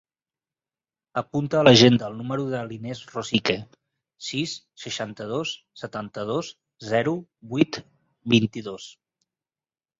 Apunta a l'agenda el número de l'Inés Rosique: sis, seixanta-dos, setanta-dos, zero, vuit, vint-i-dos.